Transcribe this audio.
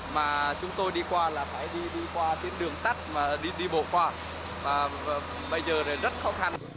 mà chúng tôi đi qua là phải đi qua cái đường tắt mà đi bộ qua bây giờ là rất khó khăn